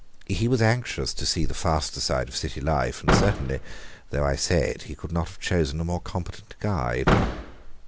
He was anxious to see the faster side of city life, and certainly, though I say it, he could not have chosen a more competent guide.